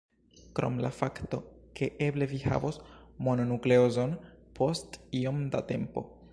Krom la fakto ke eble vi havos mononukleozon post iom da tempo.